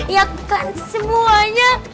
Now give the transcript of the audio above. ya kan semuanya